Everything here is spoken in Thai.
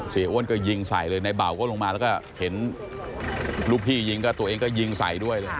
อ้วนก็ยิงใส่เลยในเบาก็ลงมาแล้วก็เห็นลูกพี่ยิงก็ตัวเองก็ยิงใส่ด้วยเลย